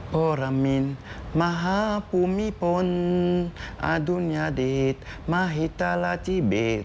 พระมิณมหาพุมิพลอดุญาเดตมหิตลาทีเบท